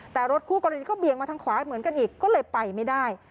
แต่รถคู่กรณีก็เบี่ยงมาทางขวาเหมือนกันอีกก็เลยไปไม่ได้